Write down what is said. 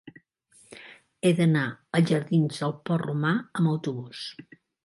He d'anar als jardins del Port Romà amb autobús.